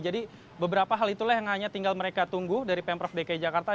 dan beberapa hal itulah yang hanya tinggal mereka tunggu dari pemprov dki jakarta